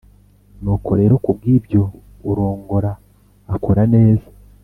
Nuko rero ku bw’ibyo urongora akora neza